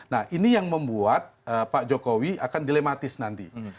nah ini yang membuat pak jokowi akan dilematis nanti